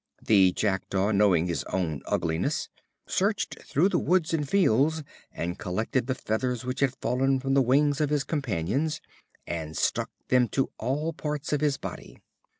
The Jackdaw, knowing his own ugliness, searched through the woods and fields, and collected the feathers which had fallen from the wings of his companions, and stuck them in all parts of his body.